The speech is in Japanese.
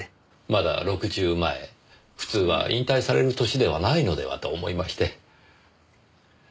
まだ６０前普通は引退される歳ではないのではと思いまして。